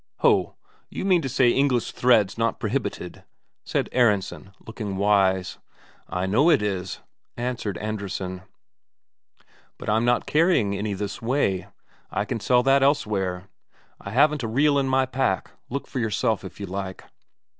"Ho, you mean to say English thread's not prohibited?" said Aronsen, looking wise. "I know it is," answered Andresen. "But I'm not carrying any this way; I can sell that elsewhere. I haven't a reel in my pack; look for yourself, if you like."